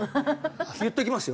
言っときますよ。